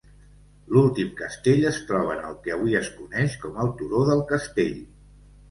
L'últim castell es troba en el que avui es coneix com el turó del castell.